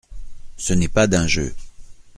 Ce n’est pas d’un jeu.